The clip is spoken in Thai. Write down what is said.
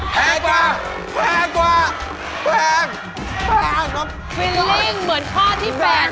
แสดนความรู้สึกเหมือนข้อที่๘มาก